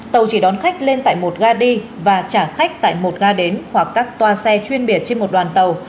tàu chỉ đón khách lên tại một ga đi và trả khách tại một ga đến hoặc các toa xe chuyên biệt trên một đoàn tàu